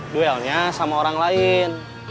duelnya sama orang lain